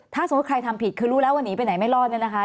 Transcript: ถ้าสมมุติใครทำผิดคือรู้แล้วว่าหนีไปไหนไม่รอดเนี่ยนะคะ